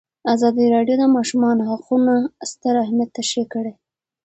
ازادي راډیو د د ماشومانو حقونه ستر اهميت تشریح کړی.